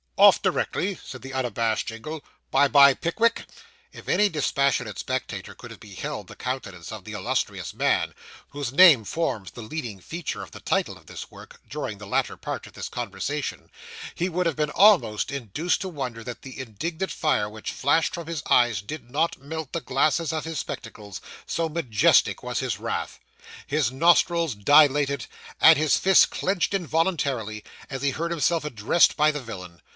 'Off directly,' said the unabashed Jingle. 'Bye bye, Pickwick.' If any dispassionate spectator could have beheld the countenance of the illustrious man, whose name forms the leading feature of the title of this work, during the latter part of this conversation, he would have been almost induced to wonder that the indignant fire which flashed from his eyes did not melt the glasses of his spectacles so majestic was his wrath. His nostrils dilated, and his fists clenched involuntarily, as he heard himself addressed by the villain.